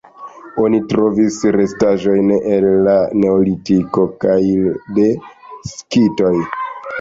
Oni trovis restaĵojn el la neolitiko kaj de skitoj.